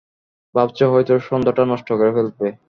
ভাবছে হয়ত সন্ধ্যাটা নষ্ট করে ফেলবে।